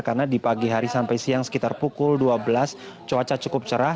karena di pagi hari sampai siang sekitar pukul dua belas cuaca cukup cerah